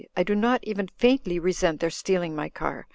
"I do not even faintly resent their stealing my car.